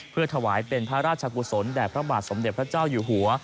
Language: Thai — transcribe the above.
เพื่อถวายเป็นพระราชกุศลแด่พระบาทสมเด็จพระเจ้าอยู่หัว